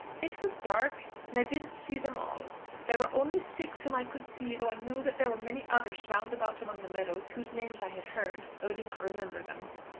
"It was dark, and I didn't see them all. There were only six whom I could see, though I know that there were many others round about among the meadows whose names I had heard, though I do not remember them."